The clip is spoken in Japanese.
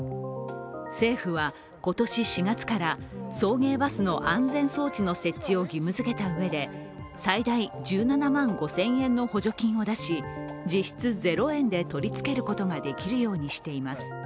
政府は今年４月から送迎バスの安全装置の設置を義務づけたうえで最大１７万５０００円の補助金を出し、実質ゼロ円で取り付けることができるようにしています。